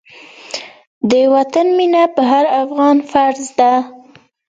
د وطن مينه په هر افغان فرض ده.